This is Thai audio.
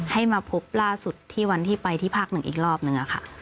ให้มาพบล่าสุดที่วันที่ไปที่ภาคหนึ่งอีกรอบนึงค่ะ